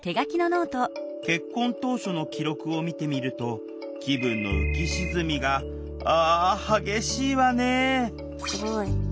結婚当初の記録を見てみると気分の浮き沈みがあ激しいわねすごい。